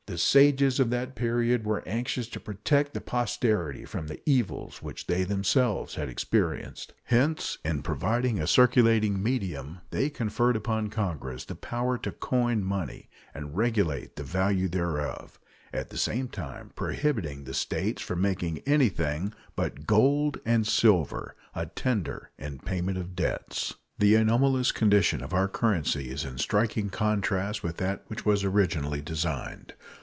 The sages of that period were anxious to protect their posterity from the evils which they themselves had experienced. Hence in providing a circulating medium they conferred upon Congress the power to coin money and regulate the value thereof, at the same time prohibiting the States from making anything but gold and silver a tender in payment of debts. The anomalous condition of our currency is in striking contrast with that which was originally designed.